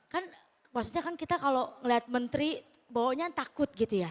kan maksudnya kan kita kalau ngeliat menteri bawanya takut gitu ya